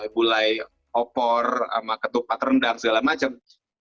mulai opor sama ketupat rendang segala macam